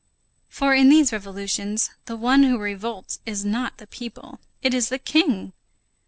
For in these revolutions, the one who revolts is not the people; it is the king.